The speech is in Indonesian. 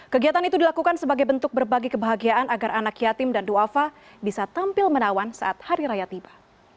kegiatan itu dilakukan sebagai bentuk berbagi kebahagiaan agar anak yatim dan ⁇ wafa ⁇ bisa tampil menawan saat hari raya tiba